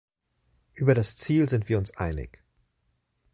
Über das Ziel sind wir uns einig.